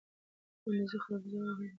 په کندوزي خربوزو ووهه لاسونه